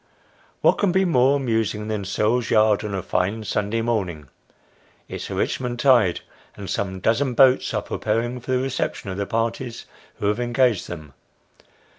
What can be more amusing than Searle's yard on a fine Sunday morn ing ? It's a Richmond tide, and some dozen boats are preparing for the reception of the parties who have engaged them.